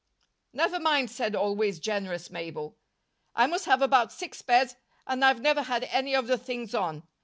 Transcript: "Never mind," said always generous Mabel. "I must have about six pairs and I've never had any of the things on.